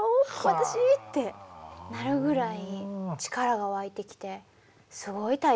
私ってなるぐらい力が湧いてきてすごい体験でした。